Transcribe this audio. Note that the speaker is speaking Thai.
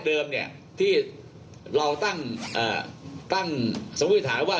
เดิมเนี่ยที่เราตั้งเอ่อตั้งสำหรับวิทยุสุภาษณ์ว่า